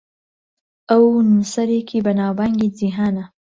ئەو نووسەرێکی بەناوبانگی جیهانە.